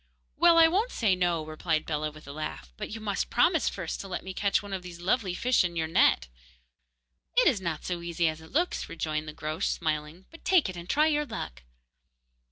'Well, I won't say "No,"' replied Bellah, with a laugh, 'but you must promise first to let me catch one of those lovely fish in your net.' 'It is not so easy as it looks,' rejoined the Groac'h, smiling, 'but take it, and try your luck.